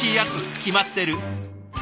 決まってる！